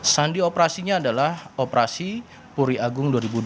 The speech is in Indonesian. sandi operasinya adalah operasi yang berjalan dengan cara yang berbeda